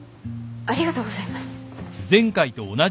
ありがとうございます。